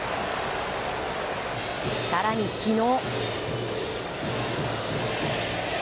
更に、昨日。